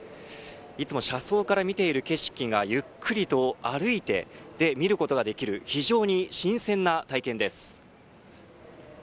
いつも車窓から見ている景色をゆっくりと歩いてそして見ることができるとても新鮮な体験です。